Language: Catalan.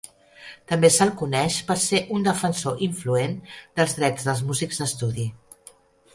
També se'l coneix per ser un defensor influent dels drets dels músics d'estudi.